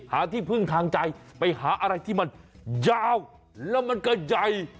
หาที่พึ่งทางใจไปหาอะไรที่มันยาวและยาย